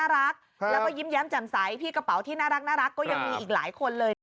รักแล้วก็ยิ้มแย้มแจ่มใสพี่กระเป๋าที่น่ารักก็ยังมีอีกหลายคนเลย